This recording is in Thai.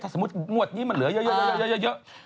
สมมุติงวดนี้มันเหลือเยอะ